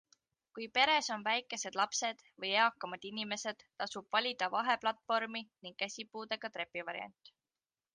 Kui peres on väikesed lapsed või eakamad inimesed, tasub valida vaheplatvormi ning käsipuudega trepivariant.